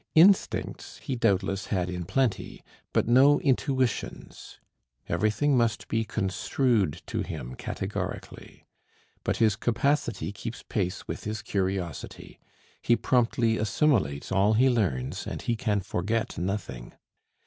Instincts he doubtless had in plenty, but no intuitions; everything must be construed to him categorically. But his capacity keeps pace with his curiosity; he promptly assimilates all he learns, and he can forget nothing.